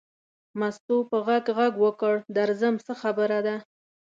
مستو په غږ غږ وکړ در وځم څه خبره ده.